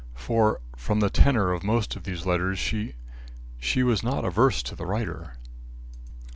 For, from the tenor of most of these letters, she she was not averse to the writer."